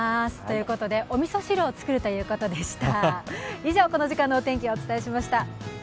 いうことでおみそ汁を作るということでした。